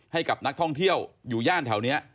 ให้กับนักท่องเที่ยวอยู่ย่านแถวนี้